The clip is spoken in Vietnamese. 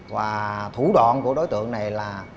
và thủ đoạn của đối tượng này là